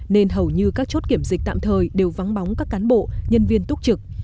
nên hầu như các chốt kiểm dịch tạm thời đều vắng bóng các cán bộ nhân viên túc trực